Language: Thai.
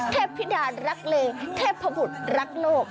พิดารักเลเทพบุตรรักโลก